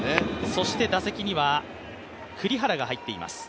そして打席には栗原が入っています。